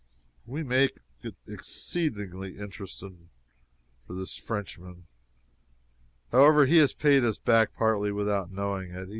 We make it exceedingly interesting for this Frenchman. However, he has paid us back, partly, without knowing it.